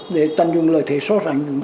để tận dụng lợi thế so sánh